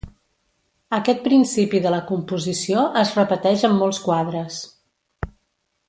Aquest principi de la composició es repeteix en molts quadres.